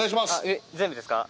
えっ全部ですか？